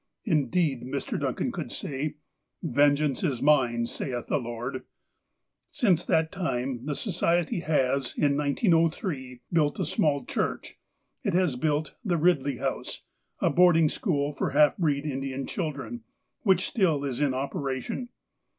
Indeed, Mr. Duncan could say : "Vengeance is Mine, saith the Lord." Since that time the Society has, in 1903, built a small church. It has built "The Eidley Home," a boarding school for half breed Indian children, which still is in operation.